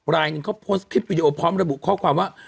รายหนึ่งเขาโพสต์คลิปวิดีโอพร้อมระบุข้อความว่า